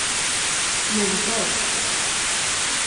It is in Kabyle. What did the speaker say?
Tneḍbeḍ.